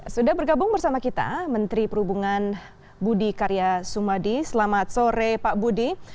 sudah bergabung bersama kita menteri perhubungan budi karya sumadi selamat sore pak budi